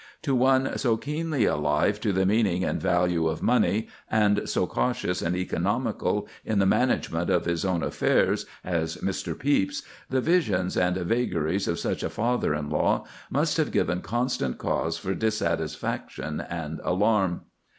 To one so keenly alive to the meaning and value of money, and so cautious and economical in the management of his own affairs, as Mr. Pepys, the visions and vagaries of such a father in law must have given constant cause for dissatisfaction and alarm.